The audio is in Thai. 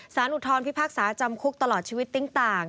อุทธรพิพากษาจำคุกตลอดชีวิตติ๊งต่าง